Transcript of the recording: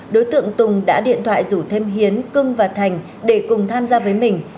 đối tượng tùng đã điện thoại rủ thêm hiến cưng và thành để cùng tham gia với mình